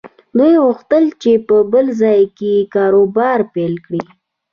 دوی غوښتل چې په بل ځای کې کاروبار پيل کړي.